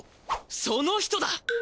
その人だ！